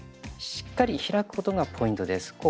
しっかり開くことがポイントです。